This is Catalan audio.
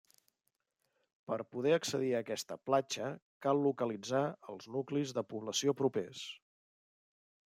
Per poder accedir a aquesta platja cal localitzar els nuclis de població propers.